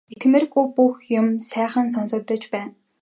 Итгэмээргүй бүх юм сайхан сонсогдож байна.